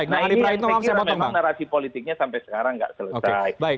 nah ini yang saya kira memang narasi politiknya sampai sekarang nggak selesai